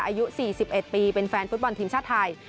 อายุสี่สิบเอ็ดปีเป็นแฟนฟุตบอลทีมชาติไทย